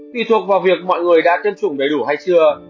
tùy thuộc vào việc mọi người đã tiêm chủng đầy đủ hay chưa